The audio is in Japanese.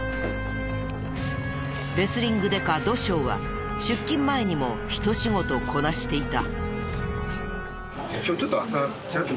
レスリングデカ土性は出勤前にもひと仕事こなしていた。